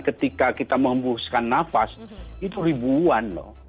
ketika kita membusukan nafas itu ribuan loh